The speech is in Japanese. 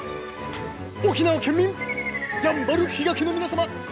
沖縄県民やんばる比嘉家の皆様！